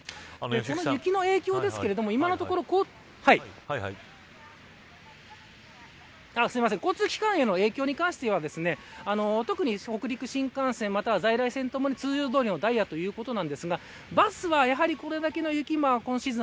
この雪の影響ですが交通機関への影響に関しては特に北陸新幹線または在来線ともに通常どおりのダイヤということなんですがバスは、これだけの雪今シーズン